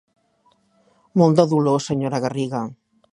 Molt de dolor, senyora Garriga.